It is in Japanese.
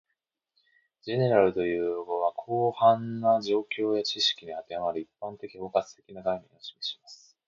"General" という用語は、広範な状況や知識に当てはまる、一般的・包括的な概念を示します